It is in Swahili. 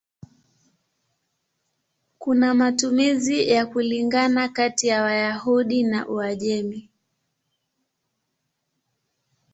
Kuna matumizi ya kulingana kati ya Wayahudi wa Uajemi.